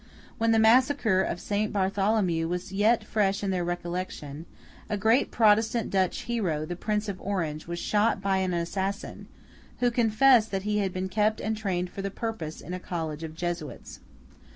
When the massacre of Saint Bartholomew was yet fresh in their recollection, a great Protestant Dutch hero, the Prince of Orange, was shot by an assassin, who confessed that he had been kept and trained for the purpose in a college of Jesuits.